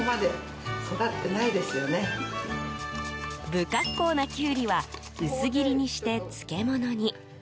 不格好なキュウリは薄切りにして漬物に。